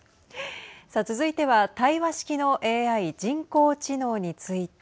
さあ続いては、対話式のＡＩ＝人工知能について。